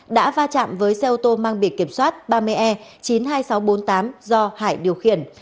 đã va chạm với xe ô tô mang bị kiểm soát ba mươi e chín mươi hai nghìn sáu trăm bốn mươi tám do hải điều khiển